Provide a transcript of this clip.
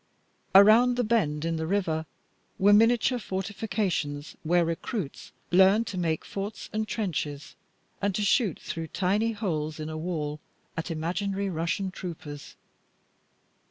Around the bend in the river were miniature fortifications where recruits learned to make forts and trenches, and to shoot through tiny holes in a wall at imaginary Russian troopers.